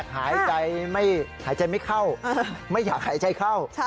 หายใจไม่เข้าไม่อยากหายใจเข้า